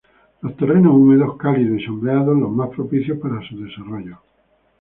Los terrenos húmedos, cálidos y sombreados los más propicios para su desarrollo.